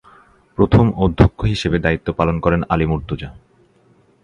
প্রথম অধ্যক্ষ হিসেবে দায়িত্ব পালন করেন আলী মুর্তজা।